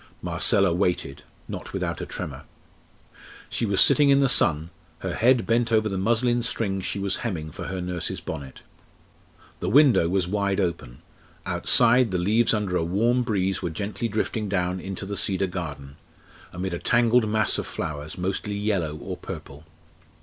Marcella waited, not without a tremor. She was sitting in the sun, her head bent over the muslin strings she was hemming for her nurse's bonnet. The window was wide open; outside, the leaves under a warm breeze were gently drifting down into the Cedar Garden, amid a tangled mass of flowers, mostly yellow or purple.